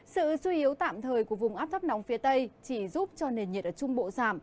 sự suy yếu tạm thời của vùng áp thấp nóng phía tây chỉ giúp cho nền nhiệt ở trung bộ giảm